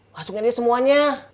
masukin aja semuanya